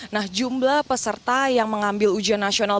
nah jumlah peserta yang mengambil ujian nasional